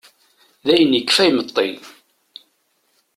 Dayen, yekfa imeṭṭi.